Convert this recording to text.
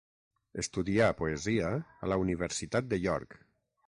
Estudià poesia a la Universitat de York.